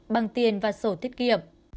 bằng tiền và sổ tiết kiệp